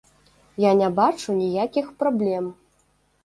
Я не бачу ніякіх праблем.